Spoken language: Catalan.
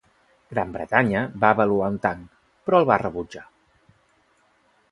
Gran Bretanya va avaluar un tanc, però el va rebutjar.